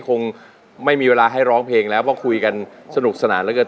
คงไม่มีเวลาให้ร้องเพลงแล้วเพราะคุยกันสนุกสนานเหลือเกิน